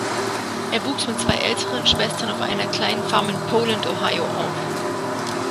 Er wuchs mit zwei älteren Schwestern auf einer kleinen Farm in Poland, Ohio, auf.